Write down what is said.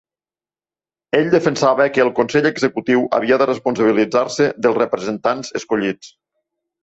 Ell defensava que el consell executiu havia de responsabilitzar-se dels representants escollits.